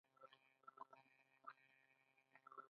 دوی پوهېدل چې دا یو غیر معمولي سفر نه دی.